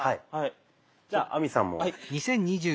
じゃあ亜美さんも。